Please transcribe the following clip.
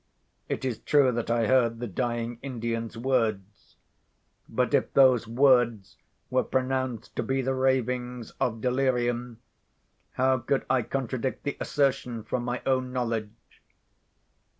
It is true that I heard the dying Indian's words; but if those words were pronounced to be the ravings of delirium, how could I contradict the assertion from my own knowledge?